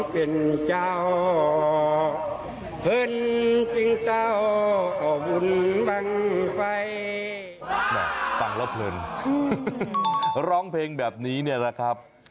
ฟังแล้วเพลินร้องเพลงแบบนี้เนี่ยนะครับ